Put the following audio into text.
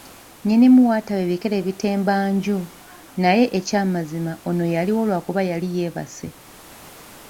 Nnyinimu w'ataba, ebikere bitemba enju naye eky'amazima ono yaliwo lwakuba yali yeebase.